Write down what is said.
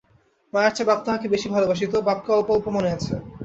মায়ের চেয়ে বাপ তাহাকে বেশি ভালোবাসিত, বাপকে অল্প অল্প মনে আছে।